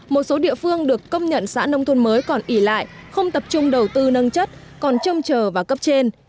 một số địa phương được công nhận xã nông thôn mới còn ỉ lại không tập trung đầu tư nâng chất còn trông chờ vào cấp trên